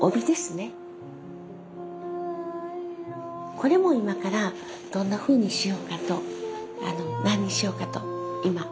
これも今からどんなふうにしようかと何にしようかと今。